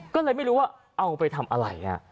ก็เลยไม่รู้ว่าเอาไปทำอะไร